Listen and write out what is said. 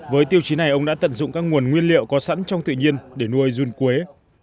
với tiêu chí này ông đã tận dụng các nguồn nguyên liệu có sẵn trong tự nhiên để nuôi run quế